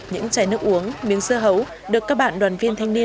những chai nước uống miếng sơ hấu được các bạn đoàn viên thanh niên